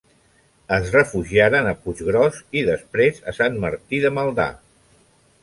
Es refugiaren a Puiggròs i després a Sant Martí de Maldà.